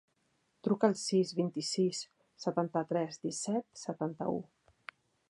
Truca al sis, vint-i-sis, setanta-tres, disset, setanta-u.